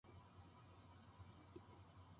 新しい資本主義